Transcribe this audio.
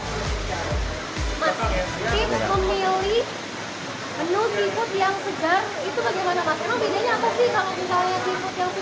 pembeli menu seafood yang segar itu bagaimana mas